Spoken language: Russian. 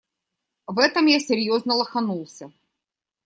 В этом я серьёзно лоханулся.